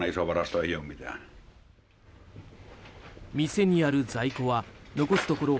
店にある在庫は残すところ